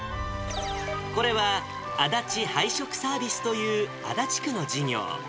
これはあだち配食サービスという足立区の事業。